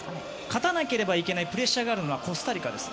勝たなければいけないプレッシャーがあるのはコスタリカです。